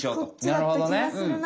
なるほどね！